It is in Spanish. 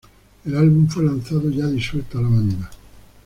El álbum fue lanzado ya disuelta la banda.